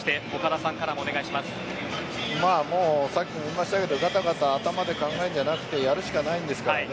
さっきも言いましたけどがたがた頭で考えるんじゃなくてやるしかないんですけどね。